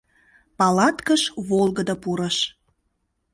Палаткыш волгыдо пурыш.